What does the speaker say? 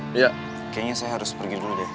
dia kayaknya saya harus pergi dulu deh